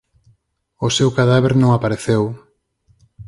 O seu cadáver non apareceu.